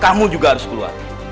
kamu juga harus keluar